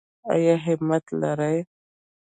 ایا همت لرئ؟